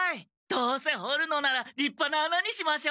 どうせほるのならりっぱな穴にしましょう。